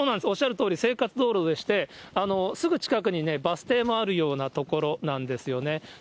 おっしゃるとおり、生活道路でして、すぐ近くにバス停もあるような所なんですよね。